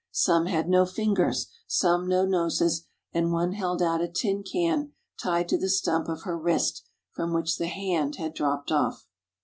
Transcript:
Some had no fingers, some no noses, and one held out a tin can tied to the stump of her wrist from which the hand had dropped off.